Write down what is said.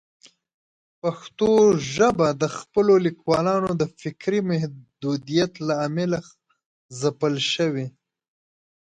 پښتو ژبه د خپلو لیکوالانو د فکري محدودیت له امله ځپل شوې.